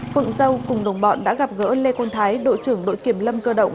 phượng dâu cùng đồng bọn đã gặp gỡ lê quang thái đội trưởng đội kiểm lâm cơ động